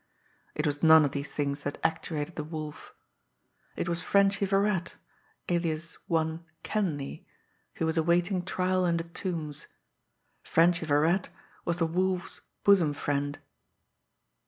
It was none of these things that actuated the Wolf it was Frenchy Virat, alias one Kenleigh, who was awaiting trial in the Tombs. Frenchy Virat was the Wolf's bosom friend!